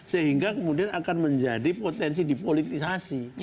sehingga kemudian akan menjadi potensi dipolitisasi